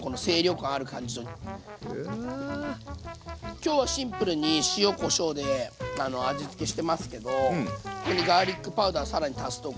今日はシンプルに塩・こしょうで味付けしてますけどここにガーリックパウダー更に足すとか。